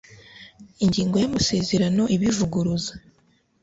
ingingo y amasezerano ibivuguruza